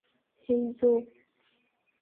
হেই, জো।